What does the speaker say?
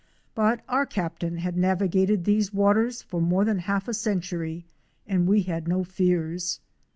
But our captain had navi gated these waters for more than half a century, and we had no fears.